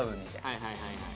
はいはいはいはい。